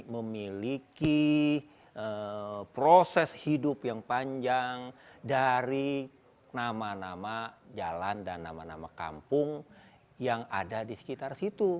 memiliki proses hidup yang panjang dari nama nama jalan dan nama nama kampung yang ada di sekitar situ